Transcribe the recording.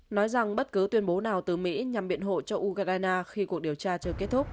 nói rằng bất cứ tuyên bố nào từ mỹ nhằm biện hộ cho ukraine khi cuộc điều tra chưa kết thúc